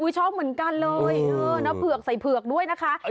ชอบเหมือนกันเลยเนื้อเผือกใส่เผือกด้วยนะคะ